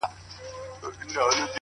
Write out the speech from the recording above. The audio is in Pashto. هره لاسته راوړنه له لومړي ګام پیلېږي!